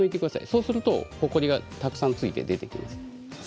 そうするとほこりがたくさん付いて出てきます。